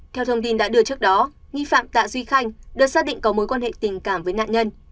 theo thông tin đã đưa trước đó nghi phạm tạ duy khanh được xác định có mối quan hệ tình cảm với nạn nhân